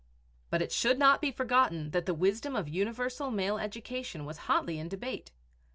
But it should not be forgotten that the wisdom of universal male education was hotly in debate.